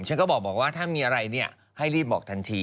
ฉันก็บอกว่าถ้ามีอะไรเนี่ยให้รีบบอกทันที